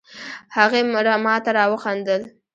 هغې ماته را وخندل